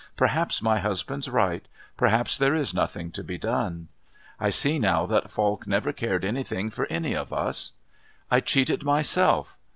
Perhaps my husband's right. Perhaps there is nothing to be done. I see now that Falk never cared anything for any of us. I cheated myself.